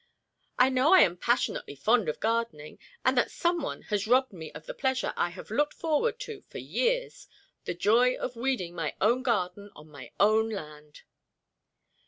"I know I am passionately fond of gardening, and that some one has robbed me of the pleasure I have looked forward to for years: the joy of weeding my own garden on my own land."